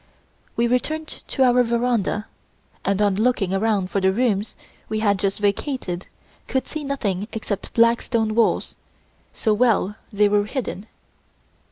We returned to our veranda, and on looking around for the rooms we had just vacated, could see nothing excepting black stone walls, so well were they hidden.